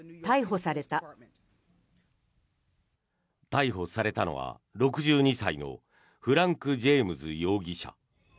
逮捕されたのは、６２歳のフランク・ジェームズ容疑者。